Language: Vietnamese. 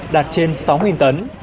đạt trên sáu tấn